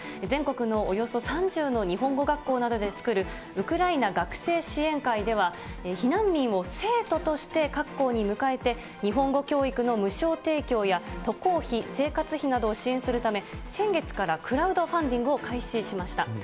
全国のおよそ３０の日本語学校などで作るウクライナ学生支援会では、避難民を生徒として各校に迎えて、日本語教育の無償提供や渡航費、生活費などを支援するため、先月からクラウドファンディングを開始しました。